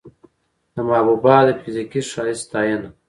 د محبوبا د فزيکي ښايست ستاينه